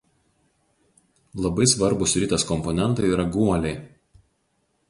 Labai svarbūs ritės komponentai yra guoliai.